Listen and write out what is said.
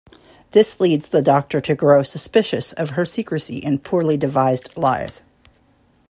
This leads the Doctor to grow suspicious of her secrecy and poorly devised lies.